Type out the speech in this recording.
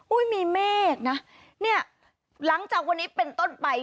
มีเมฆนะเนี่ยหลังจากวันนี้เป็นต้นไป